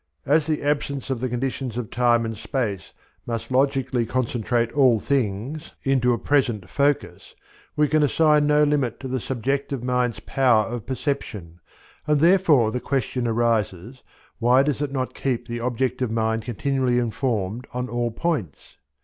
As the absence of the conditions of time and space must logically concentrate all things into a present focus, we can assign no limit to the subjective mind's power of perception, and therefore the question arises, why does it not keep the objective mind continually informed on all points?